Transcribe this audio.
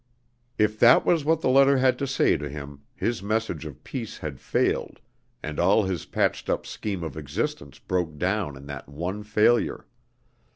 If that was what the letter had to say to him, his message of peace had failed, and all his patched up scheme of existence broke down in that one failure.